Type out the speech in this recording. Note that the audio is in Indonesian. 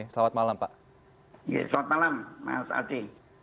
selamat malam mas aci